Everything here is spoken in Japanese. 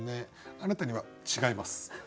あなたには「違います」。